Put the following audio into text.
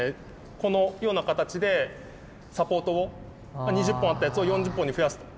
このような形でサポートを２０本あったやつを４０本に増やすと。